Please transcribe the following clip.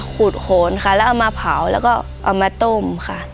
ขูดหลนเอามาเผาและต้ม